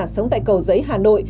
sống tại cầu giấy hà nội